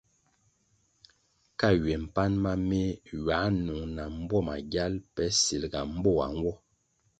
Ka ywe mpan ma meh ywā nung na mbwo magyal pe silga mboa nwo.